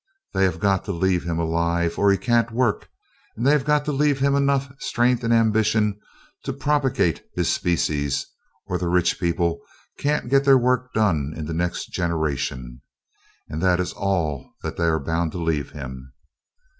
They have got to leave him alive, or he can't work, and they have got to leave him enough strength and ambition to propagate his species or the rich people can't get their work done in the next generation. And that is all that they are bound to leave him.